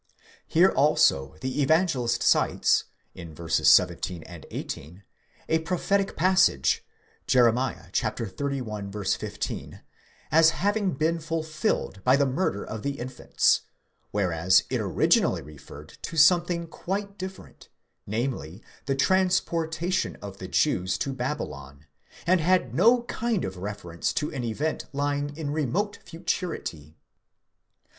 Here also the evangelist cites (v. 17, 18) a prophetic passage (Jerem. xxxi. 15), as having been fulfilled by the murder of the infants; whereas it originally referred to something quite different, namely the transportation of the Jews to Babylon, and had no kind of reference to an event lying in remote futurity.